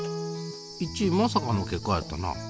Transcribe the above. １位まさかの結果やったな。